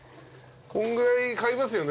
こんぐらい買いますよね？